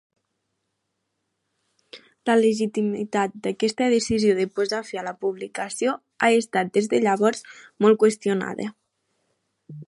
La legitimitat d'aquesta decisió de posar fi a la publicació ha estat des de llavors molt qüestionada.